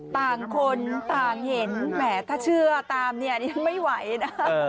ต่างคนต่างเห็นแหมถ้าเชื่อตามเนี่ยดิฉันไม่ไหวนะ